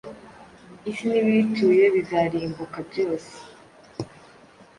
Isi n’ibiyituye bizarimbuka byose